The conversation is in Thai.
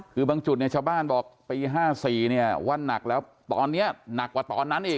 คือบางจุดเนี่ยชาวบ้านบอกปี๕๔เนี่ยว่านักแล้วตอนนี้หนักกว่าตอนนั้นอีก